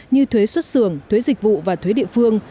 như thuế xuất xưởng thuế dịch vụ và thuế địa phương